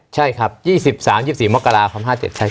ใช่ครับ๒๓๒๔มกราคม๕๗